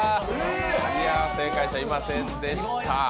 正解者いませんでした。